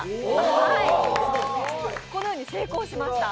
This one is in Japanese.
はい、このように成功しました。